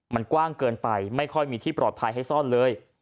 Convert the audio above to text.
มันกว้างเกินไปไม่ค่อยมีที่ปลอดภัยให้ซ่อนเลย